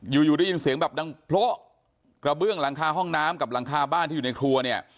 อยู่อยู่ได้ยินเสียงแบบดังโพะกระเบื้องหลังคาห้องน้ำกับหลังคาบ้านที่อยู่ในครัวเนี่ย